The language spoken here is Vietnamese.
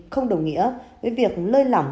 không đồng nghĩa với việc lơi lỏng